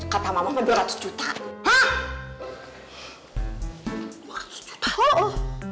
kalau jadi bisa kayak